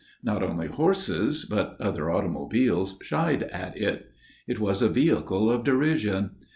Not only horses, but other automobiles shied at it. It was a vehicle of derision.